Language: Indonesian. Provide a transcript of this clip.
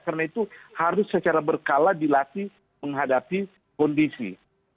karena itu harus secara berkala dilatih menghadapi kondisi